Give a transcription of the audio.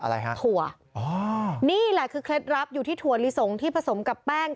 อะไรฮะถั่วอ๋อนี่แหละคือเคล็ดลับอยู่ที่ถั่วลิสงที่ผสมกับแป้ง